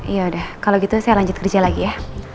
yaudah kalau gitu saya lanjut kerja lagi ya